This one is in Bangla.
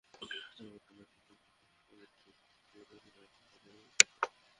তবে টানা চার ম্যাচে তৃতীয় ফিফটি করে আলোটুকু কেড়ে নিলেন কোহলিই।